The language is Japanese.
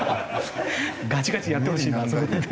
ガチガチにやってほしいなと思って。